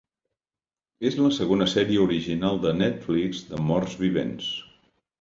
És la segona sèrie original de Netflix de morts vivents.